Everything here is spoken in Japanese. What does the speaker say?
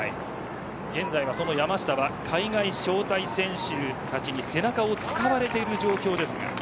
現在、山下は海外招待選手たちに背中を使われている状況です。